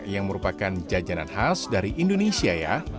yang merupakan jajanan khas dari indonesia ya